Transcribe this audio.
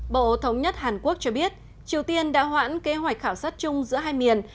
bộ thống nhất hàn quốc cho biết triều tiên đã hoãn kế hoạch khảo sát chung giữa hai miền